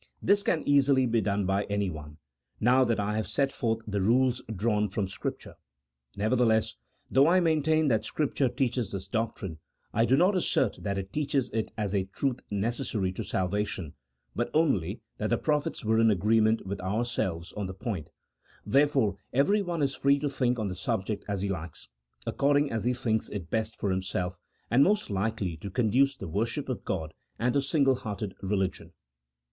This can easily be done by anyone, now that I have set forth the rules drawn from Scripture. Nevertheless, though I main tain that Scripture teaches this doctrine, I do not assert that it teaches it as a truth necessary to salvation, but only that the prophets were in agreement with ourselves on the point ; therefore everyone is free to think on the subject as he likes, according as he thinks it best for himself, and most likely to conduce to the worship of God and to single hearted religion.